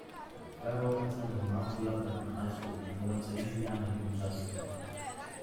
Ferrall attended Mount Lebanon High School and went to Indiana University.